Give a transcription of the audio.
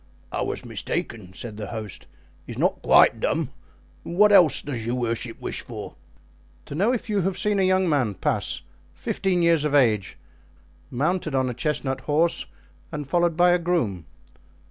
"I was mistaken," said the host, "he's not quite dumb. And what else does your worship wish for?" "To know if you have seen a young man pass, fifteen years of age, mounted on a chestnut horse and followed by a groom?"